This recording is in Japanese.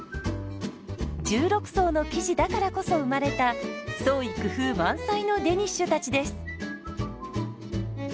１６層の生地だからこそ生まれた創意工夫満載のデニッシュたちです。